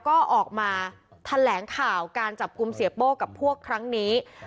ก็ออกมาแถลงข่าวการจับกลุ่มเสียโป้กับพวกครั้งนี้